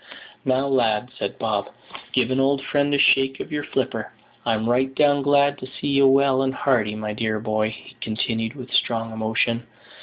"Now, lad," said Bob, "give an old friend a shake of your flipper. I'm right down glad to see ye well and hearty, my dear boy," he continued, with strong emotion.